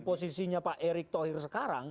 posisinya pak erik tohir sekarang